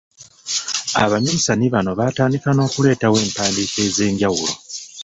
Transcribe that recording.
Abaminsani bano baatandika n’okuleetawo empandiika ez’enjawulo.